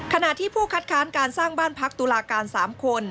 ขณะที่ผู้คัดค้านการสร้างบ้านพักตุลาการ๓คน